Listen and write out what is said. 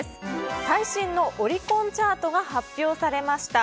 最新のオリコンチャートが発表されました。